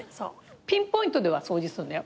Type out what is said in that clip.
ピンポイントでは掃除すんだよ。